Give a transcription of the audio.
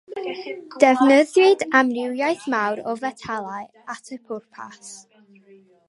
Defnyddiwyd amrywiaeth mawr o fetelau at y pwrpas.